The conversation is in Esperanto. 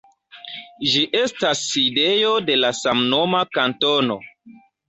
Ĝi estas sidejo de la samnoma kantono.